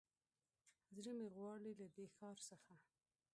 زړه مې غواړي له دې ښار څخه